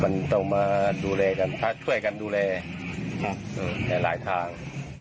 มันต้องมาดูแลกันช่วยกันดูแลในหลายทาง